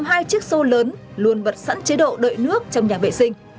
cả nhà tôi sắm hai chiếc xô lớn luôn bật sẵn chế độ đợi nước trong nhà vệ sinh